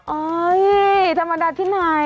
อ๋อเห้ยธรรมดาที่ไหน